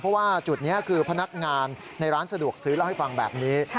เพราะว่าจุดนี้คือพนักงานในร้านสะดวกซื้อเล่าให้ฟังแบบนี้